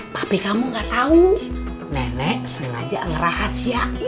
papi kamu gak tau nenek sengaja ngerahasiain